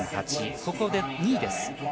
ここで２位です。